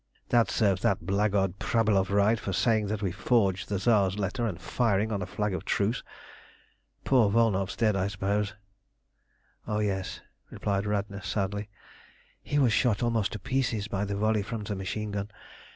"That serves that blackguard Prabylov right for saying we forged the Tsar's letter, and firing on a flag of truce. Poor Volnow's dead, I suppose?" "Oh yes," replied Radna sadly. "He was shot almost to pieces by the volley from the machine gun.